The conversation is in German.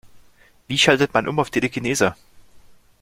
Wie schaltet man um auf Telekinese?